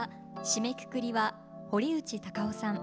締めくくりは堀内孝雄さん。